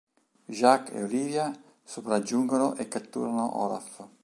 Jacques e Olivia sopraggiungono e catturano Olaf.